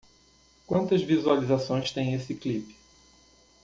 Quantas visualizações tem esse clip?